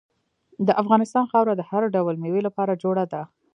د افغانستان خاوره د هر ډول میوې لپاره جوړه ده.